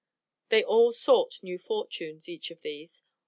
They all sought new fortunes, each of these.